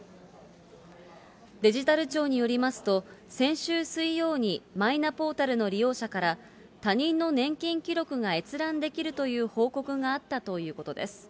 デジタル庁によりますと、先週水曜にマイナポータルの利用者から、他人の年金記録が閲覧できるという報告があったということです。